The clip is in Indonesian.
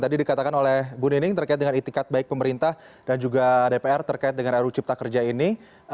tadi dikatakan oleh bu nining terkait dengan itikat baik pemerintah dan juga dpr terkait dengan ru cipta kerja ini